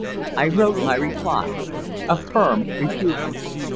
I wrote my reply a firm refusal.